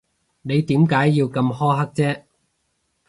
你點解要咁苛刻啫？